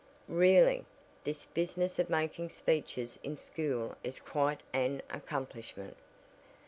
Really, this business of making speeches in school is quite an accomplishment.